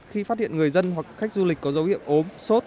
khi phát hiện người dân hoặc khách du lịch có dấu hiệu ốm sốt